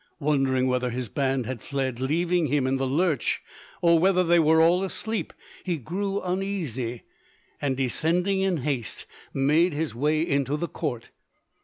Wondering whether his band had fled leaving him in the lurch, or whether they were all asleep, he grew uneasy, and descending in haste, made his way into the court.